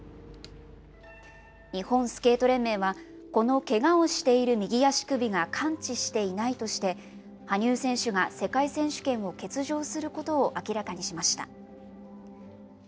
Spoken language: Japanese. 日本スケート連盟は、このけがをしている右足首が完治していないとして、羽生選手が世界選手権を欠場することを明らかにしました。